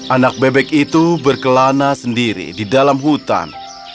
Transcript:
anak bebek itu berkelana sendiri di dalam hutan